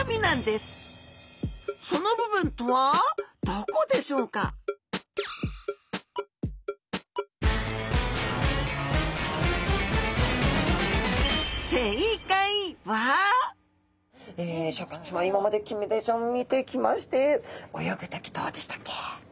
突然ですがここできれいなシャーク香音さま今までキンメダイちゃんを見てきまして泳ぐ時どうでしたっけ？